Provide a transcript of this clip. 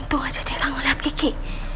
untung aja dia langsung liat kiki